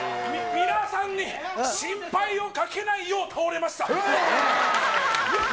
皆さんに心配をかけないよう倒れました。